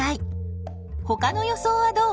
ほかの予想はどう？